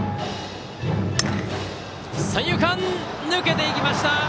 三遊間、抜けていきました。